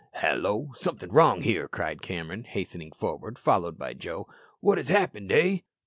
"Hallo! something wrong here," cried Cameron, hastening forward, followed by Joe. "What has happened, eh?"